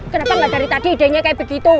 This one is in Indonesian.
kenapa nggak dari tadi idenya kayak begitu